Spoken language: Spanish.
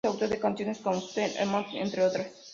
Es autor de canciones como Sweet Emotion, entre otras.